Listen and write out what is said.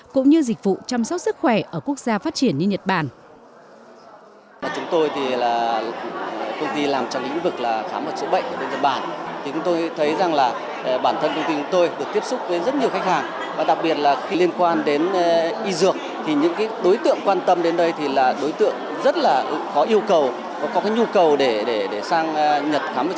cũng như dịch vụ chăm sóc sức khỏe ở quốc gia phát triển như nhật bản